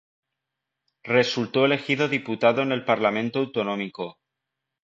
Resultó elegido diputado en el parlamento autonómico.